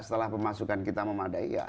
setelah pemasukan kita memadai